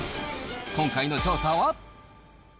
今回の調査は。